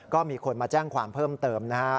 ก็มีคนมาแจ้งความเพิ่มเติมนะฮะ